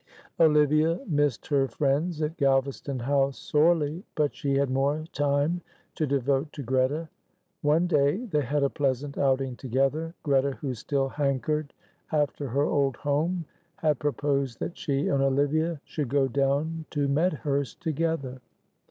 Olivia missed her friends at Galvaston House, sorely, but she had more time to devote to Greta. One day they had a pleasant outing together. Greta, who still hankered after her old home, had proposed that she and Olivia should go down to Medhurst together.